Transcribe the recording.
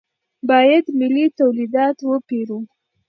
باید ملي تولیدات وپېرو.